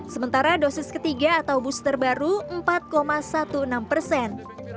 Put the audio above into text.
sementara dosis ketiga atau booster baru empat enam belas persen